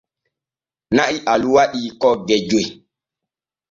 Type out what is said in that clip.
Na'i alu waɗan kogge joy.